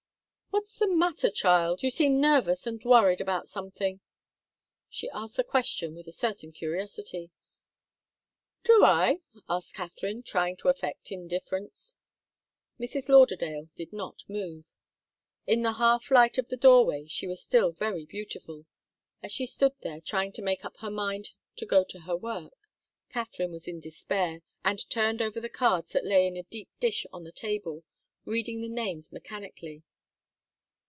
"What's the matter, child? You seem nervous and worried about something." She asked the question with a certain curiosity. "Do I?" asked Katharine, trying to affect indifference. Mrs. Lauderdale did not move. In the half light of the doorway she was still very beautiful, as she stood there trying to make up her mind to go to her work. Katharine was in despair, and turned over the cards that lay in a deep dish on the table, reading the names mechanically.